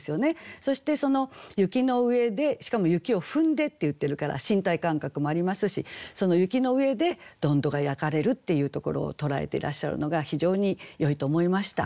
そしてその雪の上でしかも「雪を踏んで」って言ってるから身体感覚もありますしその雪の上でどんどが焼かれるっていうところを捉えていらっしゃるのが非常によいと思いました。